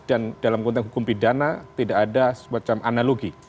dan dalam konteks hukum pidana tidak ada semacam analogi